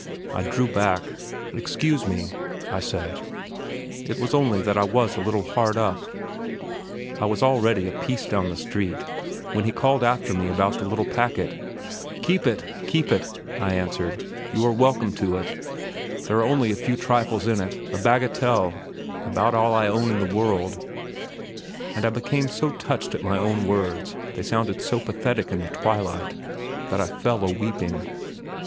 I drew back. "Excuse me," I said; "it was only just that I was a bit hard up." I was already a piece down the street, when he called after me about the little packet. "Keep it! keep it," I answered; "you are welcome to it. There are only a few trifles in it a bagatelle; about all I own in the world," and I became so touched at my own words, they sounded so pathetic in the twilight, that I fell a weeping....